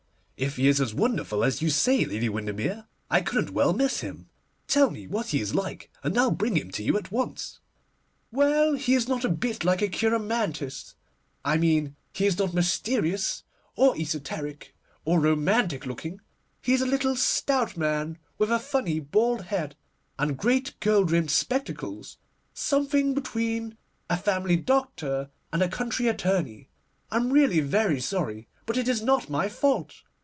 'If he is as wonderful as you say, Lady Windermere, I couldn't well miss him. Tell me what he is like, and I'll bring him to you at once.' 'Well, he is not a bit like a cheiromantist. I mean he is not mysterious, or esoteric, or romantic looking. He is a little, stout man, with a funny, bald head, and great gold rimmed spectacles; something between a family doctor and a country attorney. I'm really very sorry, but it is not my fault.